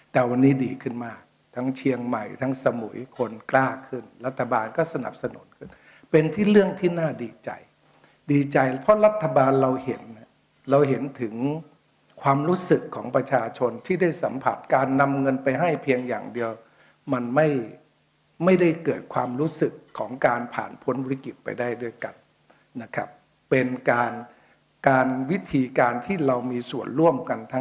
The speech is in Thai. แต่วันนี้ดีขึ้นมากทั้งเชียงใหม่ทั้งสมุยคนกล้าขึ้นรัฐบาลก็สนับสนุนขึ้นเป็นที่เรื่องที่น่าดีใจดีใจเพราะรัฐบาลเราเห็นเราเห็นถึงความรู้สึกของประชาชนที่ได้สัมผัสการนำเงินไปให้เพียงอย่างเดียวมันไม่ได้เกิดความรู้สึกของการผ่านพ้นวิกฤตไปได้ด้วยกันนะครับเป็นการการวิธีการที่เรามีส่วนร่วมกันทั้ง